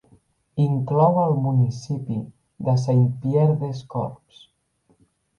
Inclou el municipi de Saint-Pierre-des-Corps.